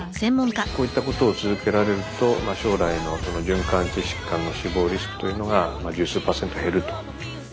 こういったことを続けられると将来の循環器疾患の死亡リスクというのが十数％減ると。